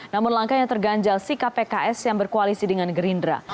namun langkahnya terganjal sikap pks yang berkoalisi dengan gerindra